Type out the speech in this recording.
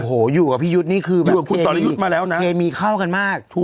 โหอยู่กับพี่ยุทธ์นี่คือแบบเคมีเคมีเข้ากันมาก